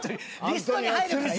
リストに入るから。